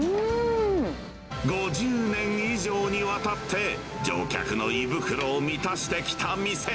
５０年以上にわたって、乗客の胃袋を満たしてきた店。